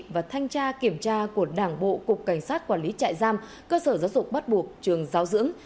và thanh tra kiểm tra của đảng bộ cục cảnh sát quản lý trại giam cơ sở giáo dục bắt buộc trường giáo dưỡng